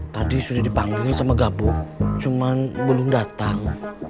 tadi sudah dipanggungin sama gabung cuman belum datang